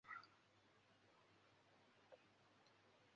阿尔来旁圣日耳曼人口变化图示